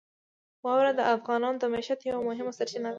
واوره د افغانانو د معیشت یوه مهمه سرچینه ده.